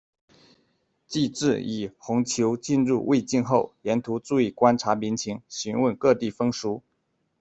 纪陟与弘璆进入魏境后，沿途注意观察民情，询问各地风俗。